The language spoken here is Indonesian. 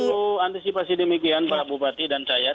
untuk antisipasi demikian pak bupati dan saya